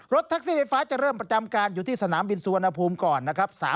แท็กซี่ไฟฟ้าจะเริ่มประจำการอยู่ที่สนามบินสุวรรณภูมิก่อนนะครับ